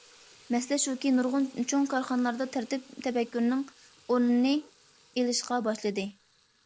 مەسىلە شۇكى، نۇرغۇن چوڭ كارخانىلاردا تەرتىپ تەپەككۇرنىڭ ئورنىنى ئېلىشقا باشلىدى.